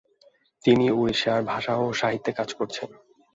তিনি উড়িষ্যার ভাষা ও সাহিত্যে কাজ করেছেন।